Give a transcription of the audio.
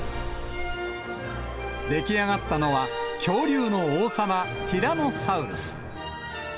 出来上がったのは、恐竜の王様、ティラノサウルス。